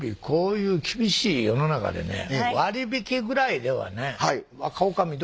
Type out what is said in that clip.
こういう厳しい世の中でね割り引きぐらいではね若女将